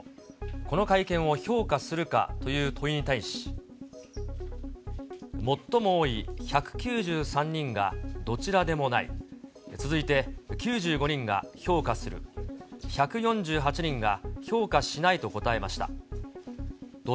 この会見を評価するかという問いに対し、最も多い１９３人がどちらでもない、続いて９５人が評価する、１４８人が評価しないと答えました。